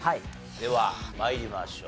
では参りましょう。